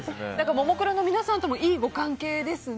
ももクロの皆さんともいいご関係ですね。